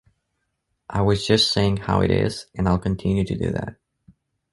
I was just saying how it is and I’ll continue to do that.